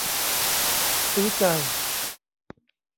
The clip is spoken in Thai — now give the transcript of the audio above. ซื้อใจ